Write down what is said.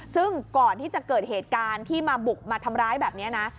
ซึ่งก่อนที่จะเกิดเหตุการณ์ที่มาบุกมาทำร้ายแบบนี้นะ